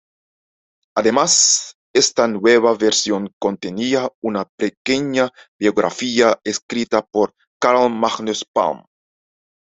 Además, esta nueva versión contenía una pequeña biografía escrita por Carl Magnus Palm.